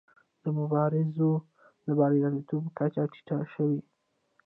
د مبارزو د بریالیتوب کچه ټیټه شوې.